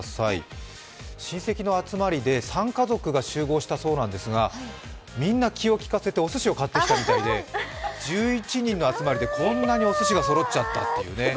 親戚の集まりで３家族が集合したそうなんですが、みんな気を利かせておすしを買ってきたようで１１人の集まりでこんなにおすしがそろっちゃったというね。